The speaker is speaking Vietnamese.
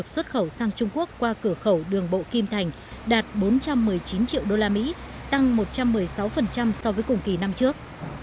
xuất khẩu sang trung quốc qua cửa khẩu đường bộ kim thành đạt bốn trăm một mươi chín triệu usd tăng một trăm một mươi sáu so với cùng kỳ năm trước